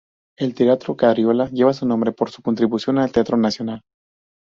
El Teatro Cariola lleva su nombre por su contribución al teatro nacional.